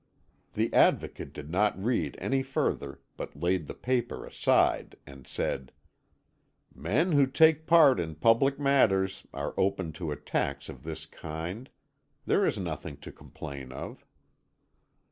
The Advocate did not read any further, but laid the paper aside and said: "Men who take part in public matters are open to attacks of this kind. There is nothing to complain of."